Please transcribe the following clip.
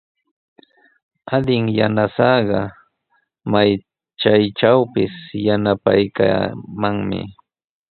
Adin yanasaaqa may chaytrawpis yanapaykamanmi.